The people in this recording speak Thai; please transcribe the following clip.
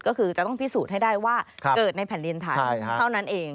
ก็คือจะต้องพิสูจน์ให้ได้ว่าเกิดในแผ่นดินไทยเท่านั้นเอง